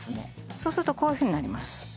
そうするとこういうふうになります